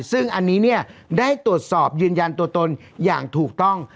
ซึ่งอันนี้เนี่ยได้ตรวจสอบยืนยันตัวตนอย่างถูกต้อง